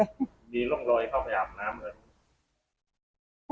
มีร่องรอยเข้าไปอาบน้ำเงิน